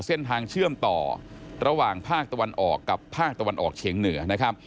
เส้นทางเชื่อมต่อระหว่างภาคตะวันออกกับภาคตะวันออกเฉียงเหนือนะครับ